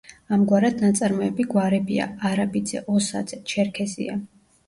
ამგვარად ნაწარმოები გვარებია: არაბიძე, ოსაძე, ჩერქეზია.